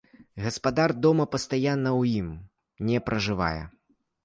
Гаспадар дома пастаянна ў ім не пражывае.